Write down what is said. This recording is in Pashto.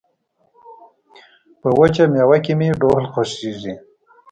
په وچه مېوه کې مې ډول خوښيږي